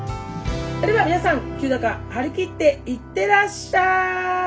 では皆さん張り切っていってらっしゃい！